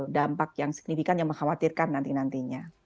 dampak yang signifikan yang mengkhawatirkan nanti nantinya